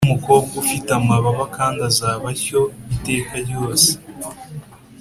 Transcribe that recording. ni umukobwa ufite amababa kandi azaba atyo iteka ryose.